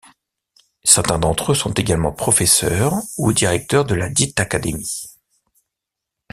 Certains d’entre eux sont également professeurs ou directeurs de la dite académie.